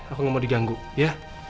aku nggak mau diganggu ya